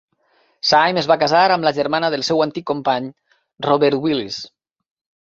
Syme es va casar amb la germana del seu antic company, Robert Willis.